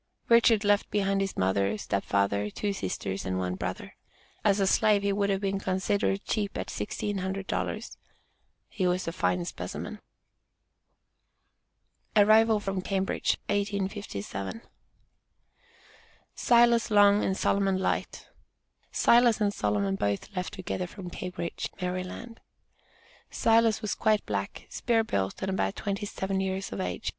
Richard left behind his mother, step father, two sisters, and one brother. As a slave, he would have been considered cheap at sixteen hundred dollars. He was a fine specimen. ARRIVAL FROM CAMBRIDGE, 1857. Silas Long and Solomon Light. Silas and Solomon both left together from Cambridge, Md. Silas was quite black, spare built and about twenty seven years of age.